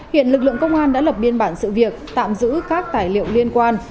hiện lực lượng công an đã lập biên bản sự việc tạm giữ các tài liệu liên quan